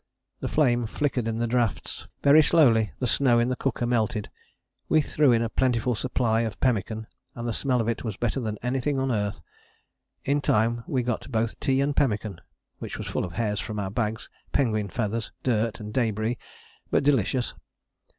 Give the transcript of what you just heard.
The flame flickered in the draughts. Very slowly the snow in the cooker melted, we threw in a plentiful supply of pemmican, and the smell of it was better than anything on earth. In time we got both tea and pemmican, which was full of hairs from our bags, penguin feathers, dirt and debris, but delicious.